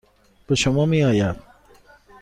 به شما میآید.